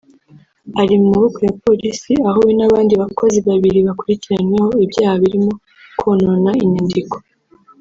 ari mu maboko ya Polisi aho we n’abandi bakozi babiri bakurikiranyweho ibyaha birimo konona inyandiko